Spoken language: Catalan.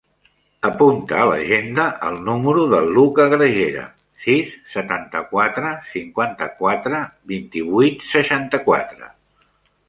Apunta a l'agenda el número del Luka Gragera: sis, setanta-quatre, cinquanta-quatre, vint-i-vuit, seixanta-quatre.